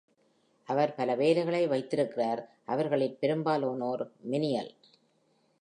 அவர் பல வேலைகளை வைத்திருக்கிறார், அவர்களில் பெரும்பாலோர் மெனியல்.